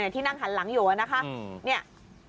ที่นั่งทันหลังอยู่นะคะเนี่ย